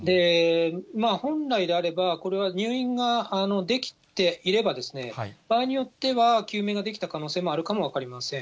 本来であれば、これは入院ができていれば、場合によっては救命ができた可能性があるかも分かりません。